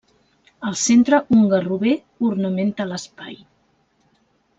Al centre un garrover ornamenta l’espai.